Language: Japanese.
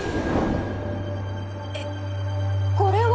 えっこれは！